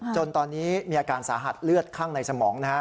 จนตอนนี้มีอาการสาหัสเลือดข้างในสมองนะฮะ